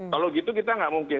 kalau gitu kita nggak mungkin